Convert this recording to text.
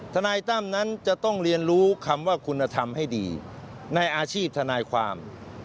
ทนายตั้มนั้นจะต้องเรียนรู้คำว่าคุณธรรมให้ดีในอาชีพทนายความ